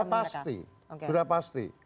sudah pasti sudah pasti